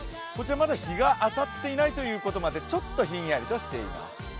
まだ日が当たっていないということもあって、ちょっとひんやりしています。